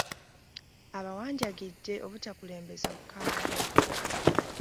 Abawanjagidde obutakulembeza bukambwe.